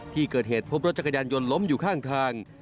ที่เกิดเหตุพบรถจักรยานยนต์ล้มอยู่ข้างทาง